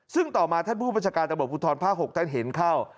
ซึ่งต่อมาท่านผู้บัญชาการตำรวจภูทรภาค๖ท่านเห็นเข้า